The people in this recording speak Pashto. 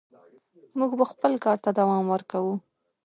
موږ به خپل کار ته دوام ورکوو.